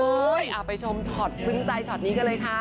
เอาไปชมช็อตซึ้งใจช็อตนี้กันเลยค่ะ